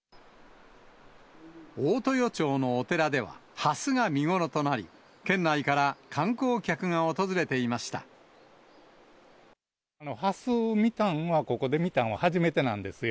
大豊町のお寺では、ハスが見頃となり、県内から観光客が訪れハスを見たんは、ここで見たんは初めてなんですよ。